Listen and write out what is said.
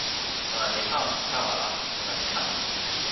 ona li awen tawa la, ona li kama